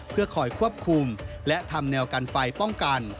เพื่อคอยควบคุมและทำแนวกันไฟป้องกัน